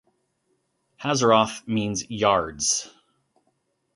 "Hazeroth" means "yards".